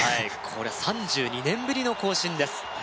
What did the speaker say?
これ３２年ぶりの更新です